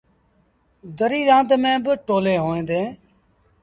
دريٚ رآند ميݩ ٻا ٽولين هوئيݩ ديٚݩ۔